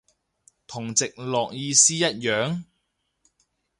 同直落意思一樣？